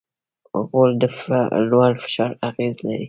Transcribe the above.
غول د لوړ فشار اغېز لري.